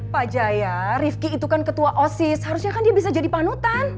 pak jaya rifki itu kan ketua osis harusnya kan dia bisa jadi panutan